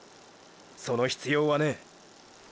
その必要はねェ。